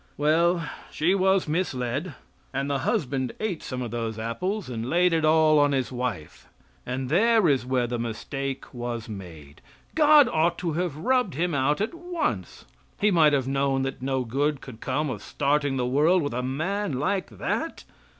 Well, she was misled, and the husband ate some of those apples and laid it all on his wife; and there is where the mistake was made. God ought to have rubbed him out at once. He might have known that no good could come of starting the world with a man like that.